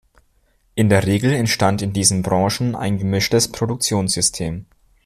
In der Regel entstand in diesen Branchen ein gemischtes Produktionssystem.